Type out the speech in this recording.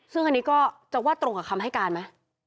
ซึ่งอันนี้ก็จะว่าตรงกับคำให้การไหม